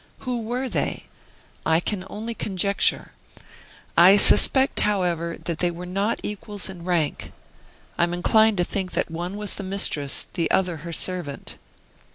Who were they? I can only conjecture. I suspect, however, that they were not equals in rank. I am inclined to think that one was the mistress, the other her servant."